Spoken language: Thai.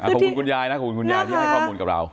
คุณยายนะขอบคุณคุณยายที่ให้ข้อมูลกับเรา